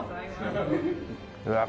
うわっ。